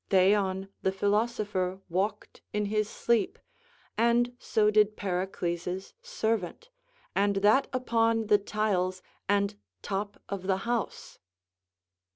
Theon the philosopher walked in his sleep, and so did Pericles servant, and that upon the tiles and top of the house.